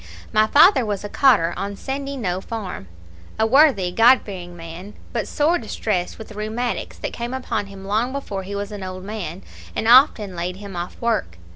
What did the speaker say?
My father was a cotter on Sandyknowe farm, a worthy, God fearing man, but sore distressed with the rheumatics, that came upon him long before he was an old man, and often laid him off work.